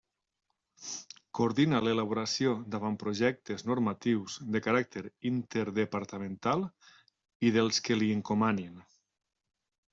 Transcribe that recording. Coordina l'elaboració d'avantprojectes normatius de caràcter interdepartamental i dels que li encomanin.